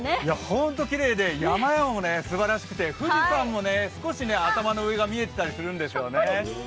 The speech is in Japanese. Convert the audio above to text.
ホント、きれいで山々もすばらしくて富士山も少し頭の上が見えていたりするんでしょうね。